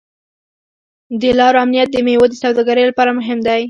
د لارو امنیت د میوو د سوداګرۍ لپاره مهم دی.